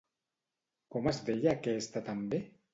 Com es deia aquesta també?